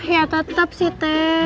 ya tetep sih teh